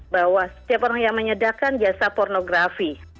bahwa setiap orang yang menyedarkan jasa pornografi